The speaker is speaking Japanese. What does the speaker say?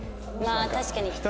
まあ確かに。